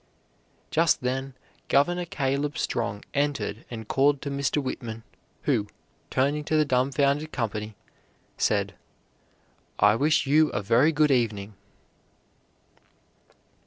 Just then Governor Caleb Strong entered and called to Mr. Whitman, who, turning to the dumfounded company, said: "I wish you a very good evening."